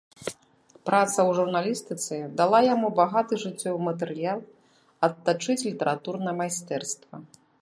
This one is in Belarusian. Праца ў журналістыцы дала яму багаты жыццёвы матэрыял, адтачыць літаратурнае майстэрства.